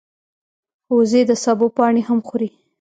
وزې د سبو پاڼې هم خوري